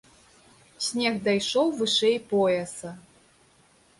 Снег дайшоў вышэй пояса.